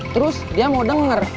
terus dia mau denger